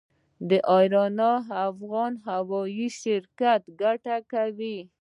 د اریانا افغان هوايي شرکت ګټه کوي؟